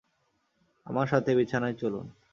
আমার সাথে বিছানায় চলুন।